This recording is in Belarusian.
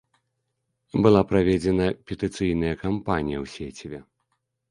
Была праведзена петыцыйная кампанія ў сеціве.